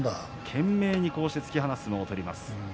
懸命に突き放す相撲を取ります。